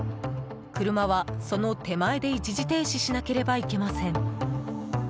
車は、その手前で一時停止しなければいけません。